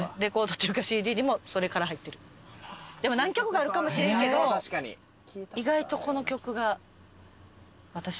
でも何曲かあるかもしれんけど意外とこの曲が私は目立って。